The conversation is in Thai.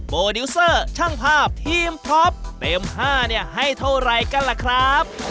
ดิวเซอร์ช่างภาพทีมท็อปเต็ม๕เนี่ยให้เท่าไรกันล่ะครับ